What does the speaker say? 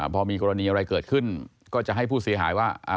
พอมีกรณีอะไรเกิดขึ้นก็จะให้ผู้เสียหายว่า